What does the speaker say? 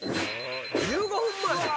１５分前！